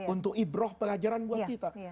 untuk ibrah pelajaran buat kita